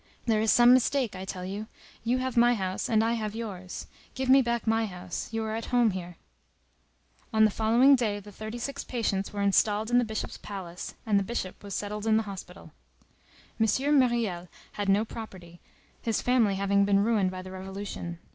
There is some mistake, I tell you; you have my house, and I have yours. Give me back my house; you are at home here." On the following day the thirty six patients were installed in the Bishop's palace, and the Bishop was settled in the hospital. M. Myriel had no property, his family having been ruined by the Revolution.